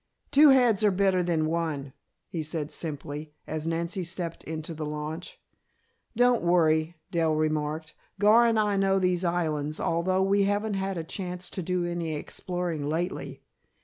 "Two heads are better than one," he said simply, as Nancy stepped into the launch. "Don't worry," Dell remarked. "Gar and I know those islands, although we haven't had a chance to do any exploring lately."